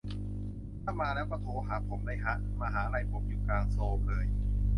ถ้ามาแล้วก็โทรหาผมได้ฮะ มหาลัยผมอยู่กลางโซลเลย